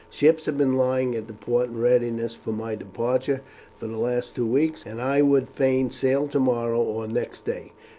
"Ships have been lying at the port in readiness for my departure for the last two weeks, and I would fain sail tomorrow or next day.